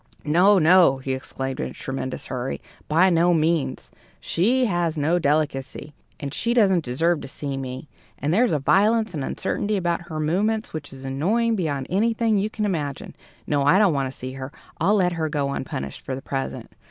"No, no!" he exclaimed in a tremendous hurry; "by no means! She has no delicacy. And she doesn't deserve to see me. And there's a violence and uncertainty about her movements which is annoying beyond anything you can imagine. No, I don't want to see her! I'll let her go unpunished for the present.